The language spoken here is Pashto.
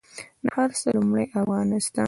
د هر څه لومړۍ افغانستان